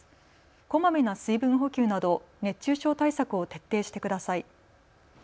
こまめな水分補給など熱中症対策を徹底してください。